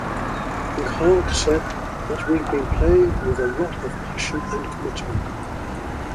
McHarg said that We've been playing with a lot of passion and commitment.